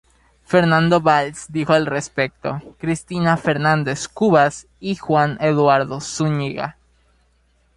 Fernando Valls dijo al respecto: “Cristina Fernández Cubas y Juan Eduardo Zúñiga.